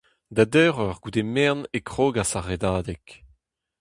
Da deir eur goude merenn e krogas ar redadeg.